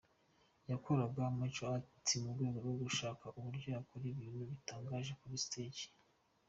Yakoraga martial arts mu rwego rwo gushaka uburyo yakora ibintu bitangaje kuri stage.